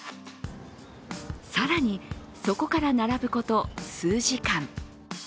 更に、そこから並ぶこと数時間。